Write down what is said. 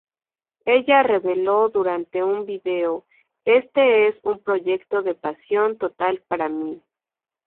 Ella reveló durante un video: "Este es un proyecto de pasión total para mí.